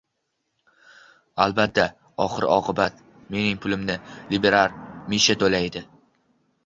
Albatta, oxir -oqibat mening pulimni liberal Misha to'laydi